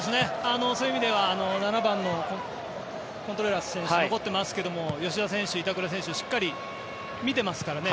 そういう意味では７番のコントレラス選手が残ってますけど吉田選手、板倉選手しっかり見てますからね。